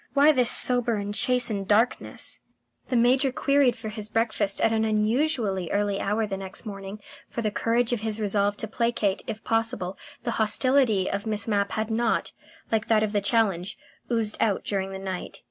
Why this sober and chastened darkness. ..? The Major qui hied for his breakfast at an unusually early hour next morning, for the courage of his resolve to placate, if possible, the hostility of Miss Mapp had not, like that of the challenge, oozed out during the night.